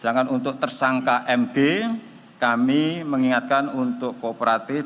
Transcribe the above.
sedangkan untuk tersangka md kami mengingatkan untuk kooperatif